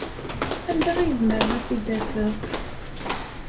Anda ay zemreɣ ad t-id-afeɣ?